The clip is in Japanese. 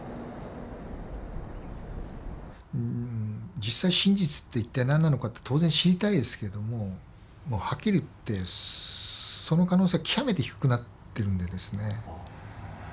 実際真実って一体何なのかって当然知りたいですけどもはっきり言ってその可能性は極めて低くなってるんでですね。